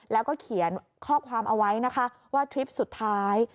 แล้วก็เขียนข้อความเอาไว้นะคะว่าทริปสุดท้าย